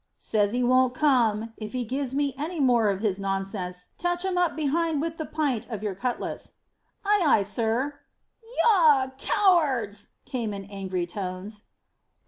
"Says he won't come. If he gives me any more of his nonsense, touch him up behind with the pynte of your cutlash." "Ay, ay, sir." "Yah! Cowards!" came in angry tones.